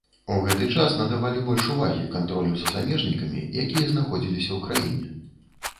У гэты час надавалі больш увагі кантролю за замежнікамі якія знаходзіліся ў краіне.